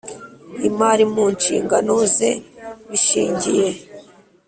Imari mu nshingano ze bishingiye